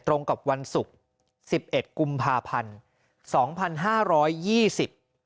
ตรงกับวันศุกร์สิบเอ็ดกุมภาพันธ์สองพันห้าร้อยยี่สิบ